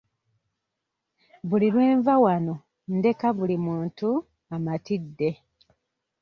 Buli lwe nva wano ndeka buli muntu amatidde.